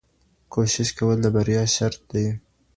کوښښ کول د بریا شرط دی.